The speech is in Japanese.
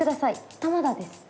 玉田です。